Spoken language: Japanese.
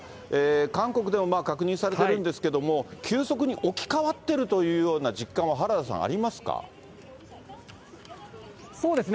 韓国でも確認されているんですけれども、急速に置き換わっているというような実感は、原田さん、ありますそうですね。